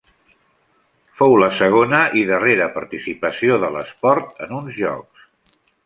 Fou la segona i darrera participació de l'esport en uns Jocs.